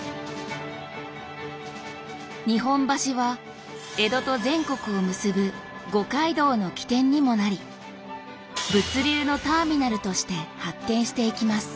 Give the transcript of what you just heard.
日本橋は江戸と全国を結ぶ五街道の起点にもなり物流のターミナルとして発展していきます。